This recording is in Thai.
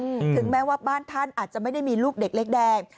ถึงแม้ว่าบ้านท่านอาจจะไม่ได้มีลูกเด็กเล็กแดง